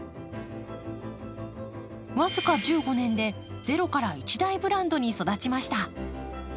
僅か１５年でゼロから一大ブランドに育ちました。